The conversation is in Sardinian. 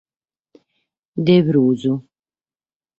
De prus.